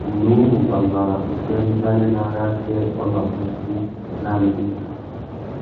Nnú mù bambara upwê râ ibanê nà arrātê wa mabukú nà améména.